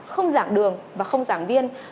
không giảng đường và không giảng viên